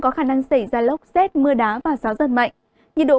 có khả năng xảy ra lốc xét cao nhất trên mưa lớn của đời